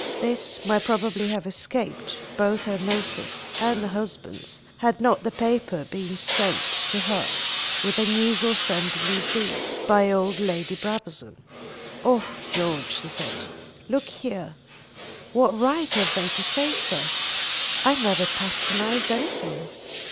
This might probably have escaped both her notice and her husband's, had not the paper been sent to her, with usual friendly zeal, by old Lady Brabazon. "Oh George," she said, "look here. What right have they to say so? I never patronised anything.